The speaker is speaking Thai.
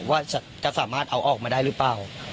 ว่าจะสามารถเอาออกมาได้หรือเปล่า